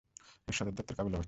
এর সদরদপ্তর কাবুলে অবস্থিত।